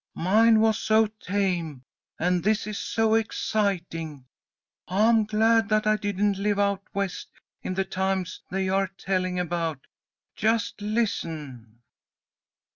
"Mine was so tame and this is so exciting. I'm glad that I didn't live out West in the times they are telling about. Just listen!"